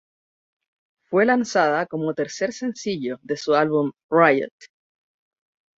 Fue lanzada como tercer sencillo de su álbum "Riot!